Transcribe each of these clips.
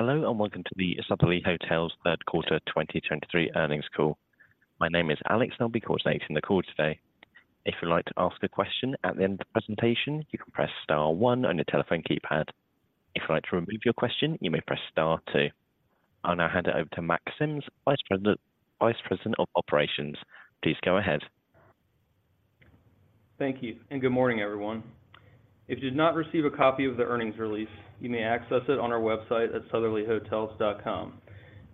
Hello, and welcome to the Sotherly Hotels third quarter 2023 earnings call. My name is Alex, and I'll be coordinating the call today. If you'd like to ask a question at the end of the presentation, you can press star one on your telephone keypad. If you'd like to remove your question, you may press star two. I'll now hand it over to Mack Sims, Vice President, Vice President of Operations. Please go ahead. Thank you, and good morning, everyone. If you did not receive a copy of the earnings release, you may access it on our website at sotherlyhotels.com.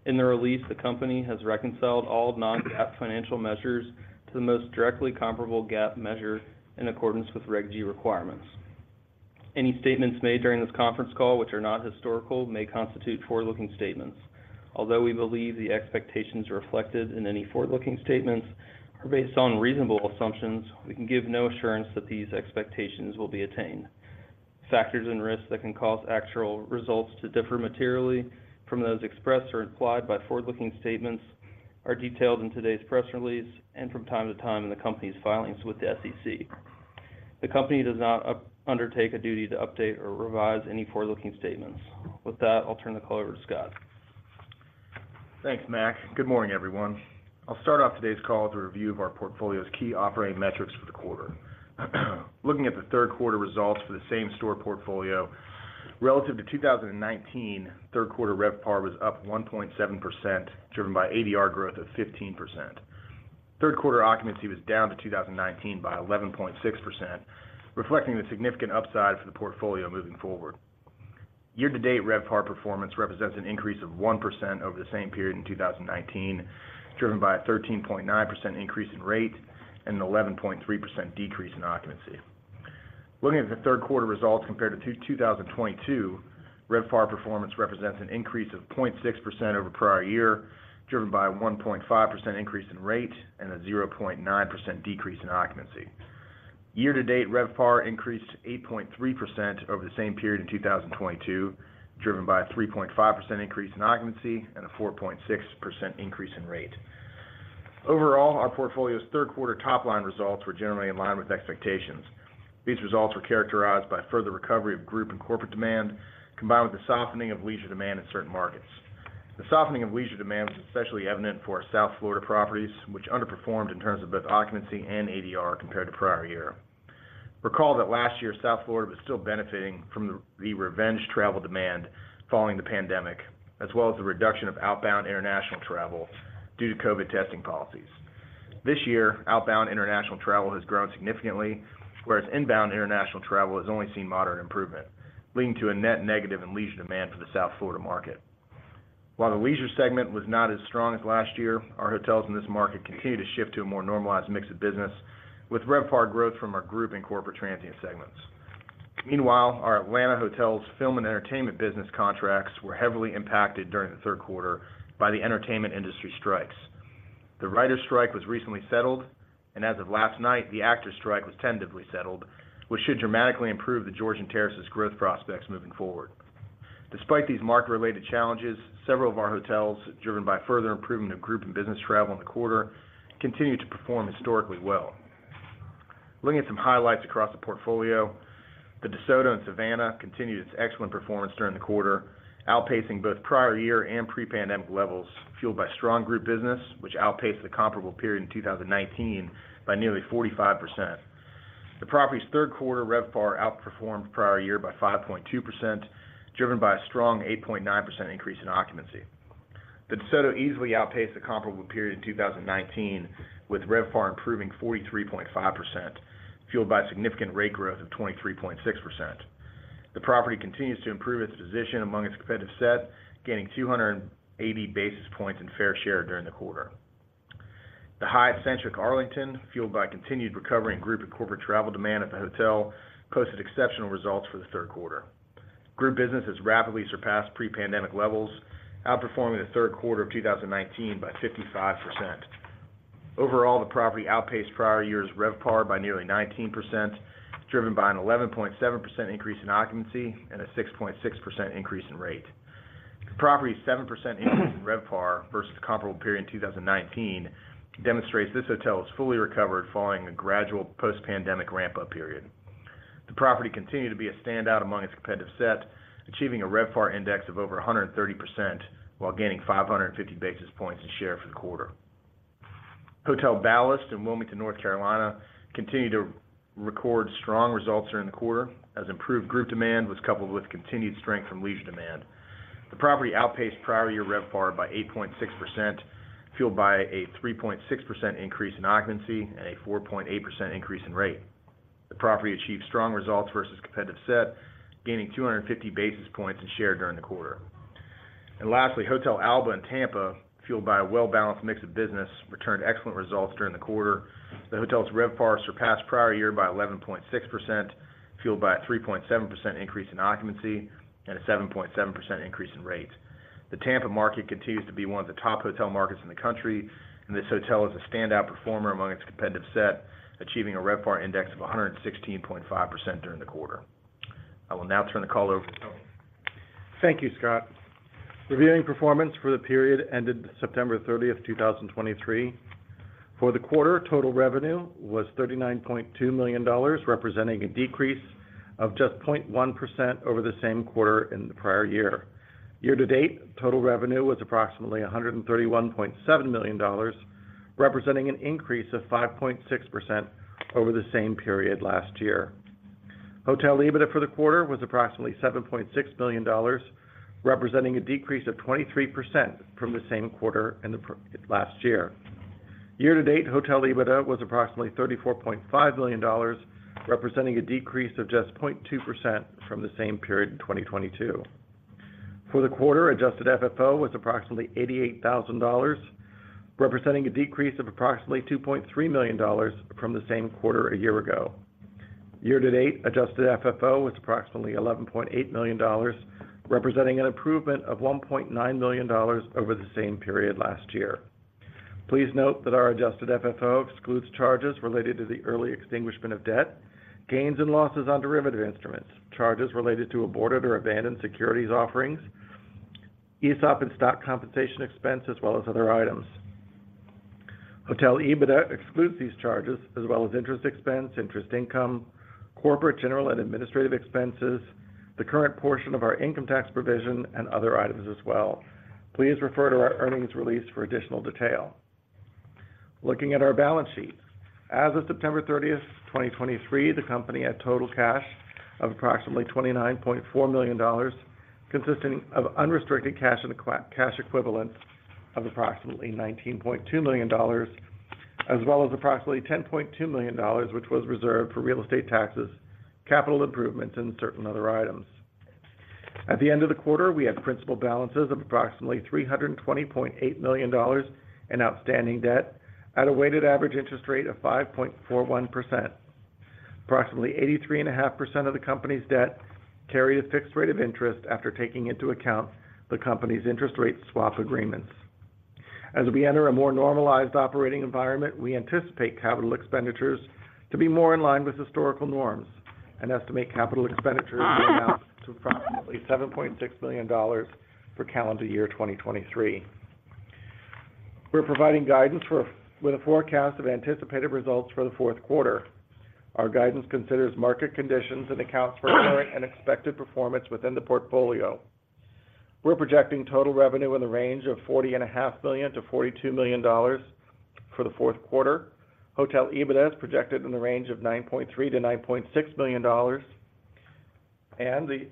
In the release, the company has reconciled all non-GAAP financial measures to the most directly comparable GAAP measure in accordance with Reg G requirements. Any statements made during this conference call, which are not historical, may constitute forward-looking statements. Although we believe the expectations reflected in any forward-looking statements are based on reasonable assumptions, we can give no assurance that these expectations will be attained. Factors and risks that can cause actual results to differ materially from those expressed or implied by forward-looking statements are detailed in today's press release and from time to time in the company's filings with the SEC. The company does not undertake a duty to update or revise any forward-looking statements. With that, I'll turn the call over to Scott. Thanks, Mack. Good morning, everyone. I'll start off today's call with a review of our portfolio's key operating metrics for the quarter. Looking at the third quarter results for the same-store portfolio, relative to 2019, third quarter RevPAR was up 1.7%, driven by ADR growth of 15%. Third quarter occupancy was down to 2019 by 11.6%, reflecting the significant upside for the portfolio moving forward. Year-to-date, RevPAR performance represents an increase of 1% over the same period in 2019, driven by a 13.9% increase in rate and an 11.3% decrease in occupancy. Looking at the third quarter results compared to Q2 2022, RevPAR performance represents an increase of 0.6% over prior year, driven by a 1.5% increase in rate and a 0.9% decrease in occupancy. Year-to-date, RevPAR increased 8.3% over the same period in 2022, driven by a 3.5% increase in occupancy and a 4.6% increase in rate. Overall, our portfolio's third quarter top-line results were generally in line with expectations. These results were characterized by further recovery of group and corporate demand, combined with the softening of leisure demand in certain markets. The softening of leisure demand was especially evident for our South Florida properties, which underperformed in terms of both occupancy and ADR compared to prior year. Recall that last year, South Florida was still benefiting from the revenge travel demand following the pandemic, as well as the reduction of outbound international travel due to COVID testing policies. This year, outbound international travel has grown significantly, whereas inbound international travel has only seen moderate improvement, leading to a net negative in leisure demand for the South Florida market. While the leisure segment was not as strong as last year, our hotels in this market continue to shift to a more normalized mix of business, with RevPAR growth from our group and corporate transient segments. Meanwhile, our Atlanta hotel's film and entertainment business contracts were heavily impacted during the third quarter by the entertainment industry strikes. The writers' strike was recently settled, and as of last night, the actors' strike was tentatively settled, which should dramatically improve the Georgian Terrace's growth prospects moving forward. Despite these market-related challenges, several of our hotels, driven by further improvement of group and business travel in the quarter, continued to perform historically well. Looking at some highlights across the portfolio, The DeSoto in Savannah continued its excellent performance during the quarter, outpacing both prior year and pre-pandemic levels, fueled by strong group business, which outpaced the comparable period in 2019 by nearly 45%. The property's third quarter RevPAR outperformed prior year by 5.2%, driven by a strong 8.9% increase in occupancy. The DeSoto easily outpaced the comparable period in 2019, with RevPAR improving 43.5%, fueled by significant rate growth of 23.6%. The property continues to improve its position among its competitive set, gaining 280 basis points in fair share during the quarter. The Hyatt Centric Arlington, fueled by continued recovery in group and corporate travel demand at the hotel, posted exceptional results for the third quarter. Group business has rapidly surpassed pre-pandemic levels, outperforming the third quarter of 2019 by 55%. Overall, the property outpaced prior year's RevPAR by nearly 19%, driven by an 11.7% increase in occupancy and a 6.6% increase in rate. The property's 7% increase in RevPAR versus the comparable period in 2019, demonstrates this hotel is fully recovered following a gradual post-pandemic ramp-up period. The property continued to be a standout among its competitive set, achieving a RevPAR index of over 130%, while gaining 550 basis points in share for the quarter. Hotel Ballast in Wilmington, North Carolina, continued to record strong results during the quarter, as improved group demand was coupled with continued strength from leisure demand. The property outpaced prior year RevPAR by 8.6%, fueled by a 3.6% increase in occupancy and a 4.8% increase in rate. The property achieved strong results versus competitive set, gaining 250 basis points in share during the quarter. And lastly, Hotel Alba in Tampa, fueled by a well-balanced mix of business, returned excellent results during the quarter. The hotel's RevPAR surpassed prior year by 11.6%, fueled by a 3.7% increase in occupancy and a 7.7% increase in rate. The Tampa market continues to be one of the top hotel markets in the country, and this hotel is a standout performer among its competitive set, achieving a RevPAR index of 116.5% during the quarter. I will now turn the call over to Tony. Thank you, Scott. Reviewing performance for the period ended September 30th, 2023. For the quarter, total revenue was $39.2 million, representing a decrease of just 0.1% over the same quarter in the prior year. Year to date, total revenue was approximately $131.7 million, representing an increase of 5.6% over the same period last year. Hotel EBITDA for the quarter was approximately $7.6 million, representing a decrease of 23% from the same quarter in the last year. Year to date, hotel EBITDA was approximately $34.5 million, representing a decrease of just 0.2% from the same period in 2022. For the quarter, Adjusted FFO was approximately $88,000, representing a decrease of approximately $2.3 million from the same quarter a year ago. Year to date, Adjusted FFO was approximately $11.8 million, representing an improvement of $1.9 million over the same period last year. Please note that our Adjusted FFO excludes charges related to the early extinguishment of debt, gains and losses on derivative instruments, charges related to aborted or abandoned securities offerings, ESOP and stock compensation expense, as well as other items. Hotel EBITDA excludes these charges, as well as interest expense, interest income, corporate, general, and administrative expenses, the current portion of our income tax provision, and other items as well. Please refer to our earnings release for additional detail. Looking at our balance sheet. As of September 30th, 2023, the company had total cash of approximately $29.4 million, consisting of unrestricted cash and cash equivalents of approximately $19.2 million, as well as approximately $10.2 million, which was reserved for real estate taxes, capital improvements, and certain other items. At the end of the quarter, we had principal balances of approximately $320.8 million in outstanding debt at a weighted average interest rate of 5.41%. Approximately 83.5% of the company's debt carry a fixed rate of interest after taking into account the company's interest rate swap agreements. As we enter a more normalized operating environment, we anticipate capital expenditures to be more in line with historical norms and estimate capital expenditures to be announced to approximately $7.6 million for calendar year 2023. We're providing guidance with a forecast of anticipated results for the fourth quarter. Our guidance considers market conditions and accounts for current and expected performance within the portfolio. We're projecting total revenue in the range of $40.5 million-$42 million for the fourth quarter. Hotel EBITDA is projected in the range of $9.3 million-$9.6 million, and the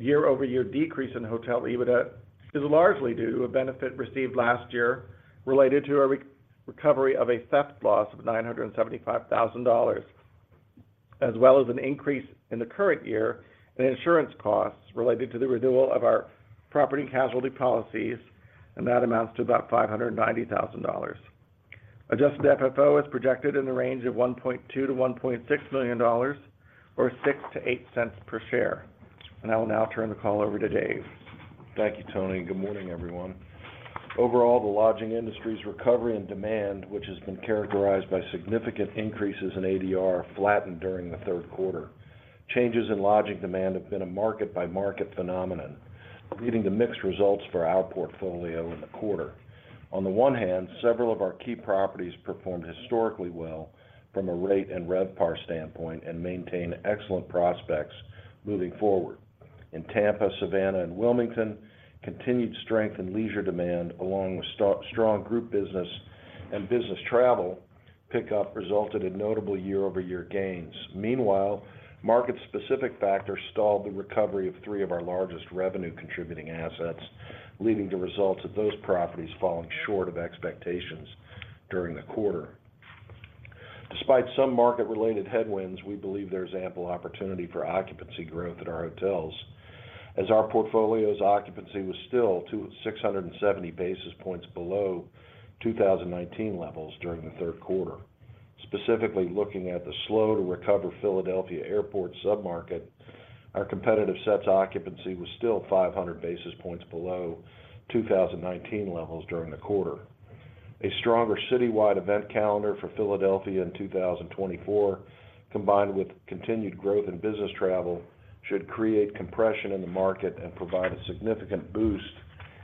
year-over-year decrease in hotel EBITDA is largely due to a benefit received last year related to a recovery of a theft loss of $975,000, as well as an increase in the current year in insurance costs related to the renewal of our property casualty policies, and that amounts to about $590,000. Adjusted FFO is projected in the range of $1.2 million-$1.6 million, or $0.06-$0.08 per share. I will now turn the call over to Dave. Thank you, Tony. Good morning, everyone. Overall, the lodging industry's recovery and demand, which has been characterized by significant increases in ADR, flattened during the third quarter. Changes in lodging demand have been a market-by-market phenomenon, leading to mixed results for our portfolio in the quarter. On the one hand, several of our key properties performed historically well from a rate and RevPAR standpoint and maintain excellent prospects moving forward. In Tampa, Savannah, and Wilmington, continued strength in leisure demand, along with strong group business and business travel pickup, resulted in notable year-over-year gains. Meanwhile, market-specific factors stalled the recovery of three of our largest revenue-contributing assets, leading to results of those properties falling short of expectations during the quarter. Despite some market-related headwinds, we believe there's ample opportunity for occupancy growth at our hotels, as our portfolio's occupancy was still 670 basis points below 2019 levels during the third quarter. Specifically, looking at the slow-to-recover Philadelphia Airport submarket, our competitive set's occupancy was still 500 basis points below 2019 levels during the quarter. A stronger citywide event calendar for Philadelphia in 2024, combined with continued growth in business travel, should create compression in the market and provide a significant boost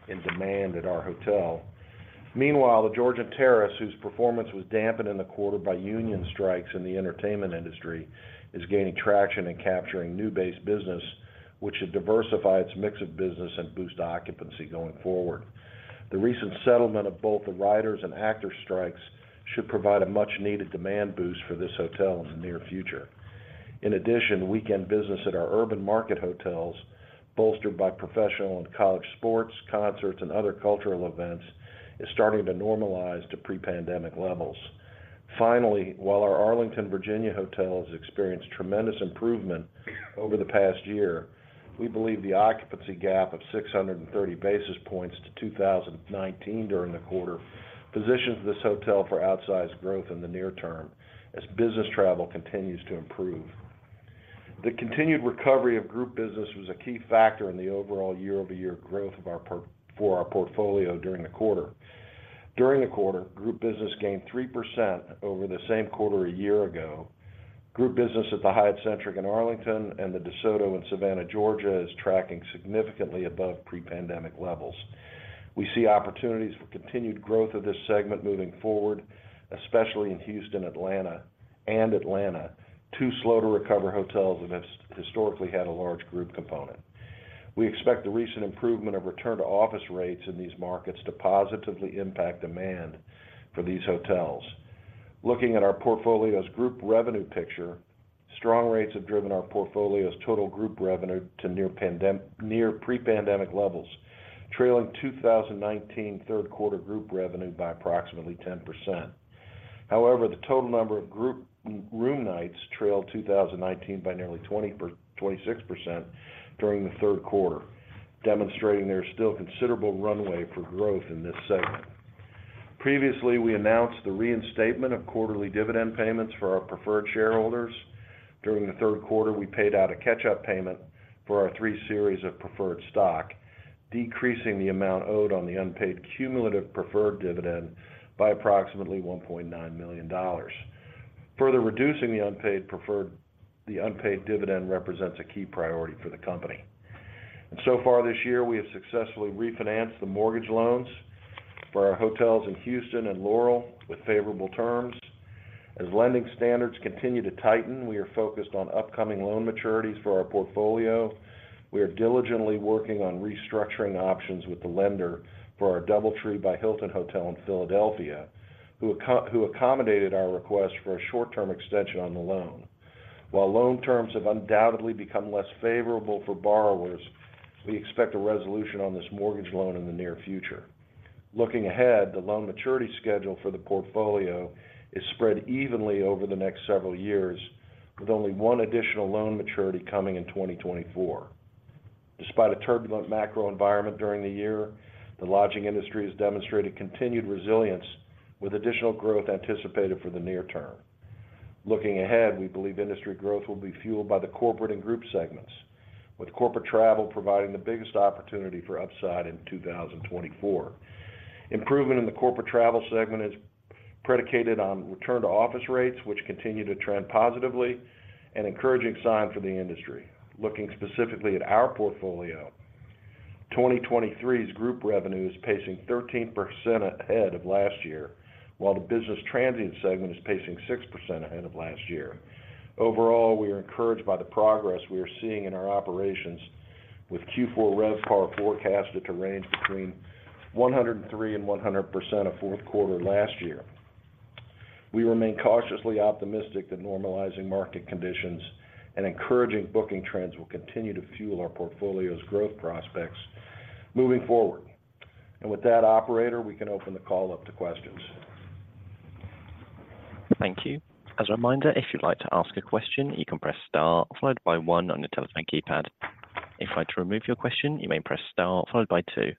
in demand at our hotel. Meanwhile, the Georgian Terrace, whose performance was dampened in the quarter by union strikes in the entertainment industry, is gaining traction in capturing new base business, which should diversify its mix of business and boost occupancy going forward. The recent settlement of both the writers and actor strikes should provide a much-needed demand boost for this hotel in the near future. In addition, weekend business at our urban market hotels, bolstered by professional and college sports, concerts, and other cultural events, is starting to normalize to pre-pandemic levels. Finally, while our Arlington, Virginia hotel has experienced tremendous improvement over the past year, we believe the occupancy gap of 630 basis points to 2019 during the quarter positions this hotel for outsized growth in the near term as business travel continues to improve. The continued recovery of group business was a key factor in the overall year-over-year growth of our portfolio during the quarter. During the quarter, group business gained 3% over the same quarter a year ago. Group business at the Hyatt Centric Arlington and The DeSoto in Savannah, Georgia, is tracking significantly above pre-pandemic levels. We see opportunities for continued growth of this segment moving forward, especially in Houston, Atlanta, and Atlanta, two slow-to-recover hotels that has historically had a large group component. We expect the recent improvement of return-to-office rates in these markets to positively impact demand for these hotels. Looking at our portfolio's group revenue picture, strong rates have driven our portfolio's total group revenue to near pre-pandemic levels, trailing 2019 third quarter group revenue by approximately 10%. However, the total number of group room nights trailed 2019 by nearly 26% during the third quarter, demonstrating there is still considerable runway for growth in this segment. Previously, we announced the reinstatement of quarterly dividend payments for our preferred shareholders. During the third quarter, we paid out a catch-up payment for our three series of preferred stock, decreasing the amount owed on the unpaid cumulative preferred dividend by approximately $1.9 million. Further reducing the unpaid preferred, the unpaid dividend, represents a key priority for the company. And so far this year, we have successfully refinanced the mortgage loans for our hotels in Houston and Laurel with favorable terms. As lending standards continue to tighten, we are focused on upcoming loan maturities for our portfolio. We are diligently working on restructuring options with the lender for our DoubleTree by Hilton Hotel in Philadelphia, who accommodated our request for a short-term extension on the loan. While loan terms have undoubtedly become less favorable for borrowers, we expect a resolution on this mortgage loan in the near future. Looking ahead, the loan maturity schedule for the portfolio is spread evenly over the next several years, with only one additional loan maturity coming in 2024. Despite a turbulent macro environment during the year, the lodging industry has demonstrated continued resilience, with additional growth anticipated for the near term. Looking ahead, we believe industry growth will be fueled by the corporate and group segments, with corporate travel providing the biggest opportunity for upside in 2024. Improvement in the corporate travel segment is predicated on return to office rates, which continue to trend positively, an encouraging sign for the industry. Looking specifically at our portfolio, 2023's group revenue is pacing 13% ahead of last year, while the business transient segment is pacing 6% ahead of last year. Overall, we are encouraged by the progress we are seeing in our operations, with Q4 RevPAR forecasted to range between 103% and 100% of fourth quarter last year. We remain cautiously optimistic that normalizing market conditions and encouraging booking trends will continue to fuel our portfolio's growth prospects moving forward. With that, operator, we can open the call up to questions. Thank you. As a reminder, if you'd like to ask a question, you can press star followed by one on your telephone keypad. If you'd like to remove your question, you may press star followed by two.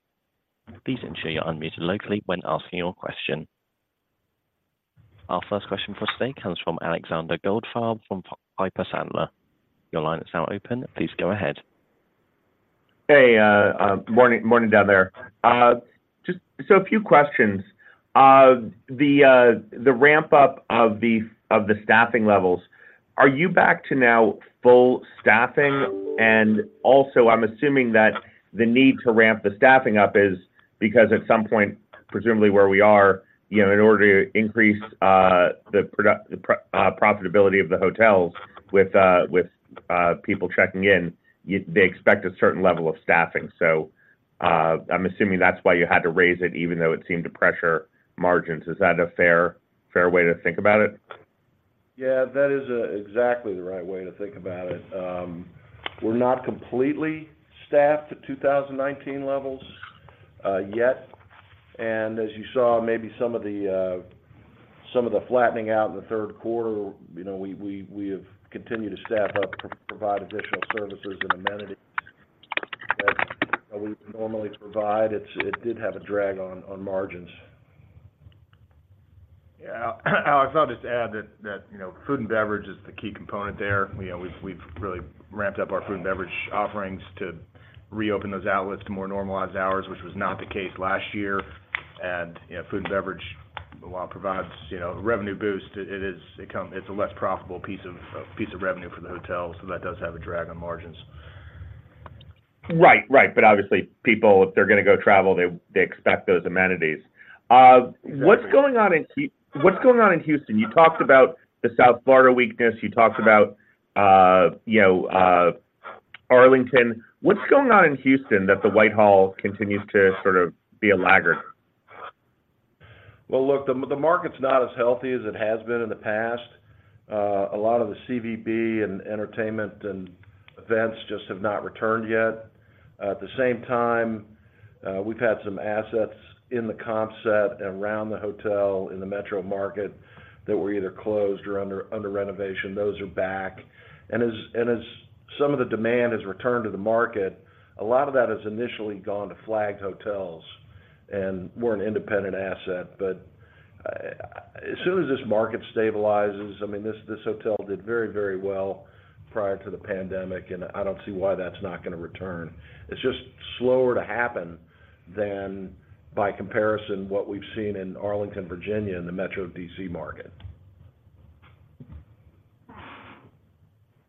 Please ensure you're unmuted locally when asking your question. Our first question for today comes from Alexander Goldfarb, from Piper Sandler. Your line is now open. Please go ahead. Hey, morning down there. Just a few questions. The ramp-up of the staffing levels, are you back to now full staffing? And also, I'm assuming that the need to ramp the staffing up is because, at some point, presumably where we are, you know, in order to increase the profitability of the hotels with people checking in, they expect a certain level of staffing. So, I'm assuming that's why you had to raise it, even though it seemed to pressure margins. Is that a fair way to think about it? Yeah, that is exactly the right way to think about it. We're not completely staffed at 2019 levels yet. And as you saw, maybe some of the flattening out in the third quarter, you know, we have continued to staff up to provide additional services and amenities that we would normally provide. It did have a drag on margins. Yeah, Alex, I'll just add that, you know, food and beverage is the key component there. You know, we've really ramped up our food and beverage offerings to reopen those outlets to more normalized hours, which was not the case last year. And, you know, food and beverage, while it provides, you know, a revenue boost, it is, it's a less profitable piece of revenue for the hotel, so that does have a drag on margins. Right. Right. But obviously, people, if they're going to go travel, they, they expect those amenities. Exactly. What's going on in Houston? You talked about the South Florida weakness, you talked about, you know, Arlington. What's going on in Houston that The Whitehall continues to sort of be a laggard? Well, look, the market's not as healthy as it has been in the past. A lot of the CVB, and entertainment, and events just have not returned yet. At the same time, we've had some assets in the comp set around the hotel, in the metro market, that were either closed or under renovation. Those are back. And as some of the demand has returned to the market, a lot of that has initially gone to flagged hotels, and we're an independent asset. But, as soon as this market stabilizes... I mean, this hotel did very, very well prior to the pandemic, and I don't see why that's not gonna return. It's just slower to happen than, by comparison, what we've seen in Arlington, Virginia, in the metro D.C. market....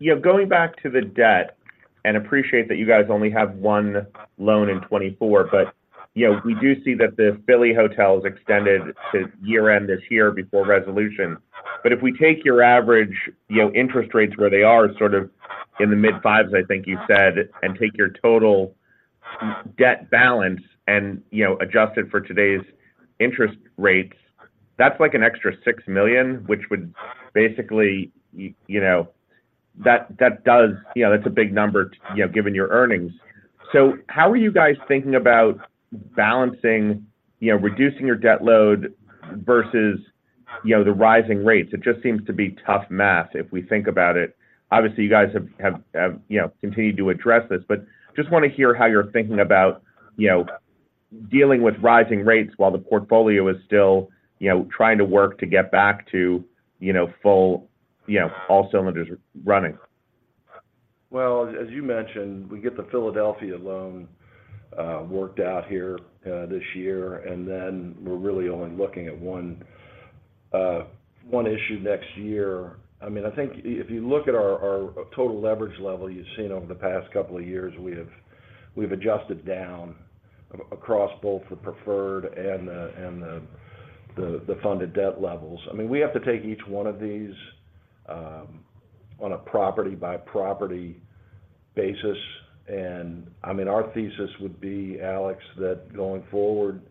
Yeah, going back to the debt, and appreciate that you guys only have one loan in 2024, but, you know, we do see that the Philly hotel is extended to year-end this year before resolution. But if we take your average, you know, interest rates where they are, sort of in the mid-5s, I think you said, and take your total debt balance and, you know, adjust it for today's interest rates, that's like an extra $6 million, which would basically, you know, that does. You know, that's a big number, you know, given your earnings. So how are you guys thinking about balancing, you know, reducing your debt load versus, you know, the rising rates? It just seems to be tough math if we think about it. Obviously, you guys have, you know, continued to address this, but just want to hear how you're thinking about, you know, dealing with rising rates while the portfolio is still, you know, trying to work to get back to, you know, full, you know, all cylinders running. Well, as you mentioned, we get the Philadelphia loan worked out here this year, and then we're really only looking at one issue next year. I mean, I think if you look at our total leverage level, you've seen over the past couple of years, we have, we've adjusted down across both the preferred and the funded debt levels. I mean, we have to take each one of these on a property-by-property basis, and, I mean, our thesis would be, Alex, that going forward,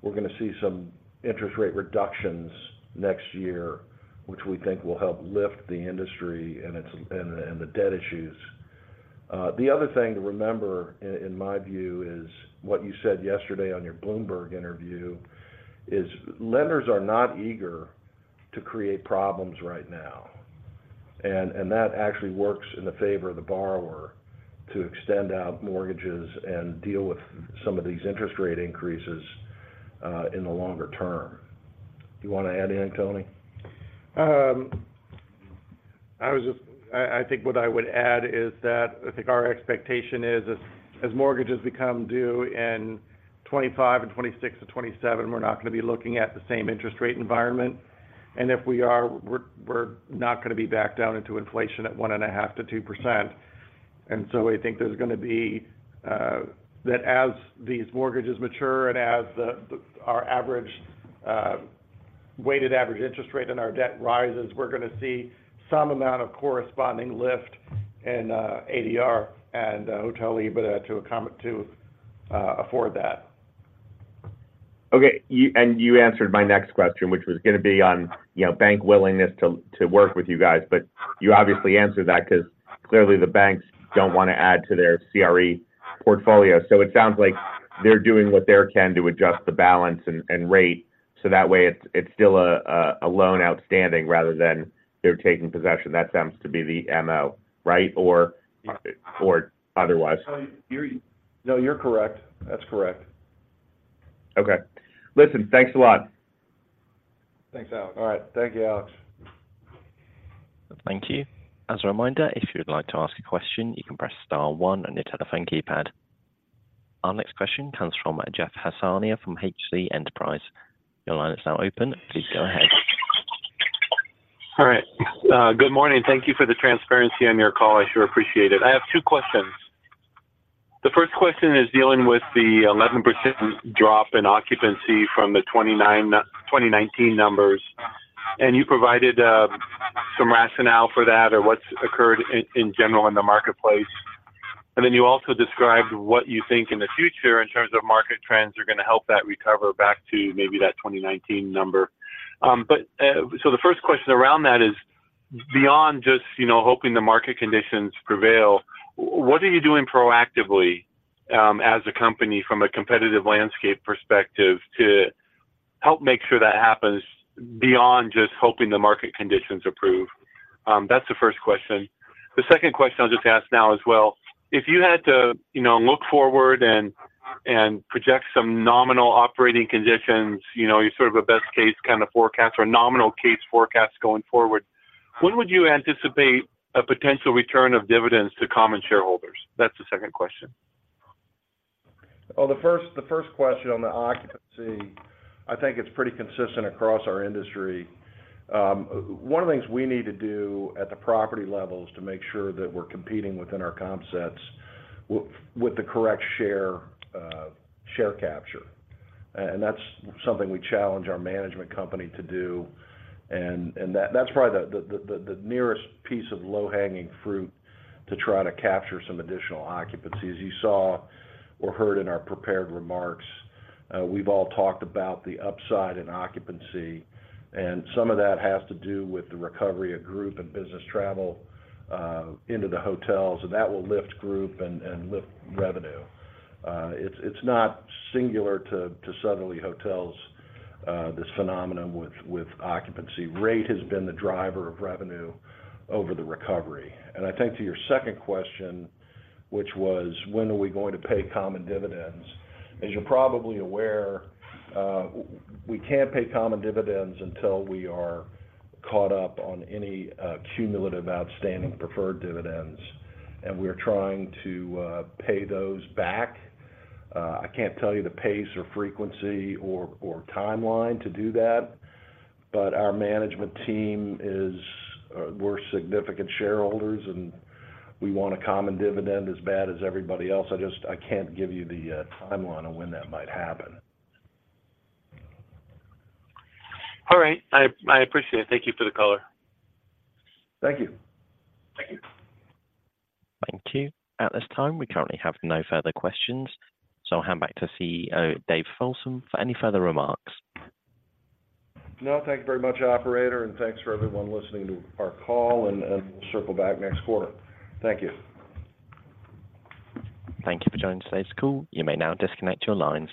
we're gonna see some interest rate reductions next year, which we think will help lift the industry and the debt issues. The other thing to remember in my view is, what you said yesterday on your Bloomberg interview, is lenders are not eager to create problems right now, and, and that actually works in the favor of the borrower to extend out mortgages and deal with some of these interest rate increases, in the longer term. Do you want to add in, Tony? I think what I would add is that I think our expectation is as mortgages become due in 2025 and 2026-2027, we're not going to be looking at the same interest rate environment. And if we are, we're not going to be back down into inflation at 1.5%-2%. And so I think there's gonna be that as these mortgages mature and as our average weighted average interest rate on our debt rises, we're gonna see some amount of corresponding lift in ADR and hotel EBITDA to afford that. Okay, you— And you answered my next question, which was gonna be on, you know, bank willingness to work with you guys. But you obviously answered that because clearly the banks don't want to add to their CRE portfolio. So it sounds like they're doing what they can to adjust the balance and rate, so that way it's still a loan outstanding rather than they're taking possession. That seems to be the MO, right? Or otherwise. No, you're correct. That's correct. Okay. Listen, thanks a lot. Thanks, Alex. All right. Thank you, Alex. Thank you. As a reminder, if you would like to ask a question, you can press star one on your telephone keypad. Our next question comes from Jeff Hassania from HC Enterprise. Your line is now open. Please go ahead. All right. Good morning. Thank you for the transparency on your call. I sure appreciate it. I have two questions. The first question is dealing with the 11% drop in occupancy from the 2019 numbers, and you provided some rationale for that or what's occurred in general in the marketplace. Then you also described what you think in the future, in terms of market trends, are going to help that recover back to maybe that 2019 number. But so the first question around that is: Beyond just, you know, hoping the market conditions prevail, what are you doing proactively, as a company from a competitive landscape perspective, to help make sure that happens beyond just hoping the market conditions improve? That's the first question. The second question I'll just ask now as well: If you had to, you know, look forward and project some nominal operating conditions, you know, your sort of a best case kind of forecast or a nominal case forecast going forward, when would you anticipate a potential return of dividends to common shareholders? That's the second question. Well, the first question on the occupancy, I think it's pretty consistent across our industry. One of the things we need to do at the property level is to make sure that we're competing within our comp sets with the correct share, share capture. And that's something we challenge our management company to do, and that's probably the nearest piece of low-hanging fruit to try to capture some additional occupancy. As you saw or heard in our prepared remarks, we've all talked about the upside in occupancy, and some of that has to do with the recovery of group and business travel into the hotels, and that will lift group and lift revenue. It's not singular to Sotherly Hotels, this phenomenon with occupancy. Rate has been the driver of revenue over the recovery. I think to your second question, which was: When are we going to pay common dividends? As you're probably aware, we can't pay common dividends until we are caught up on any cumulative outstanding preferred dividends, and we are trying to pay those back. I can't tell you the pace or frequency or timeline to do that, but our management team is, we're significant shareholders, and we want a common dividend as bad as everybody else. I just, I can't give you the timeline on when that might happen. All right. I appreciate it. Thank you for the call. Thank you. Thank you. Thank you. At this time, we currently have no further questions, so I'll hand back to CEO Dave Folsom for any further remarks. No, thank you very much, operator, and thanks for everyone listening to our call, and we'll circle back next quarter. Thank you. Thank you for joining today's call. You may now disconnect your lines.